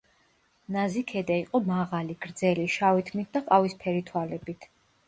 ნაზიქედა იყო მაღალი, გრძელი შავი თმით და ყავისფერი თვალებით.